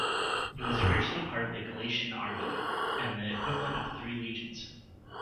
It was originally part of the Galatian Army, and the equivalent of three legions.